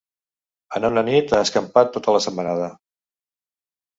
En una nit ha escampat tota la setmanada.